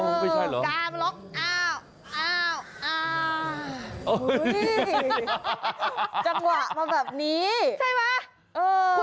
เออไม่ใช่เหรออ้าวอ้าวอ้าวโอ้ยจับหวะมาแบบนี้ใช่ไหม